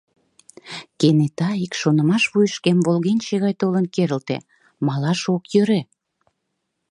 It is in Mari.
Кенета ик шонымаш вуйышкем волгенче гай толын керылте: «Малаш ок йӧрӧ».